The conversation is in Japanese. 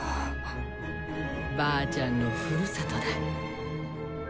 ばあちゃんのふるさとだ。